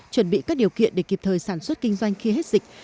chuẩn bị các điều kiện để kịp thời sản xuất kinh doanh khi hết dịch